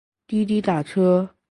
滴滴打车